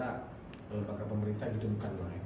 baga pemerintah itu bukan